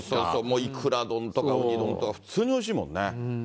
もういくら丼とか、うに丼とか、普通においしいもんね。